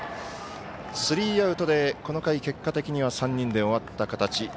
スリーアウトで、この回結果的には３人で終わった形。